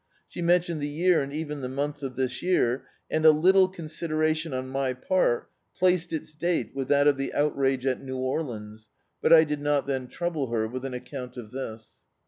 She mentioned the year, and even the month of this year, and a little consideration on my part placed its date with that of the outrage at [■66] D,i.,.db, Google Hcnne New Orleans, but I did not then trouble her with an account of this.